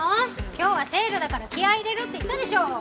今日はセールだから気合い入れろって言ったでしょ！